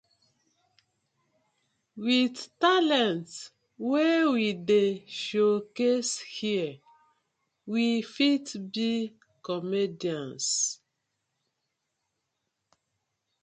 With talent wey we dey show case here we fit be comedians.